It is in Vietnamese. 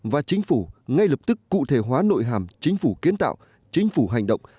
và chính phủ ngay lập tức cụ thể hóa nội hàm chính phủ kiến tạo chính phủ hành động